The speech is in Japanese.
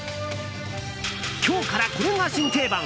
今日から、これが新定番。